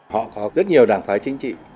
họ có rất nhiều đảng phái chính trị